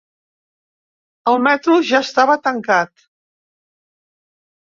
El metro ja estava tancat.